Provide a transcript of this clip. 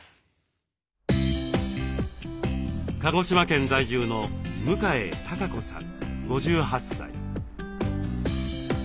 鹿児島県在住の向江貴子さん５８歳。